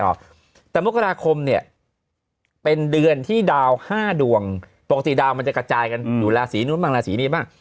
ออกต่อมุกราคมเนี่ยเป็นเดือนที่ดาว๕ดวงตกกินอาลาสีนด้วยบ้างหรือนี้บ้าง